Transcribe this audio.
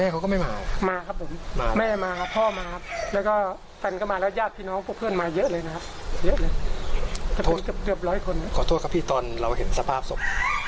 ขอโทษครับพี่ตอนเราเห็นสภาพศพ